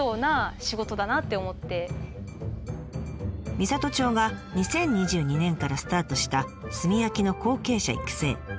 美郷町が２０２２年からスタートした炭焼きの後継者育成。